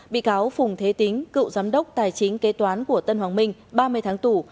bị cáo phùng thế tính cựu giám đốc tài chính kế toán của tân hoàng minh ba mươi tháng tù